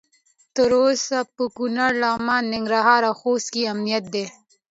تر اوسه په کنړ، لغمان، ننګرهار او خوست امنیت دی.